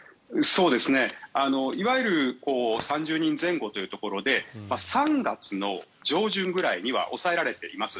いわゆる３０人前後というところで３月の上旬くらいには抑えられています。